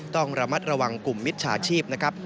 ต้องระมัดระวังกลุ่มมิจฉาชีพนะครับ